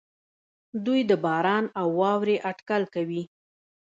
دوی د باران او واورې اټکل کوي.